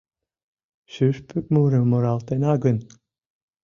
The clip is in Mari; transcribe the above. Шӱшпык мурым муралтена гын